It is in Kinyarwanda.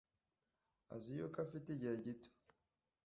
azi yuko afite igihe gito.”